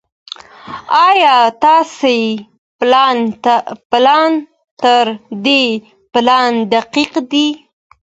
ايا ستاسي پلان تر دې پلان دقيق دی؟